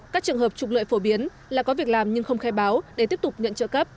các trường hợp trục lợi phổ biến là có việc làm nhưng không khai báo để tiếp tục nhận trợ cấp